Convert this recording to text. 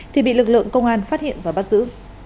thì bị lực lượng công an phát hiện và bắt giữ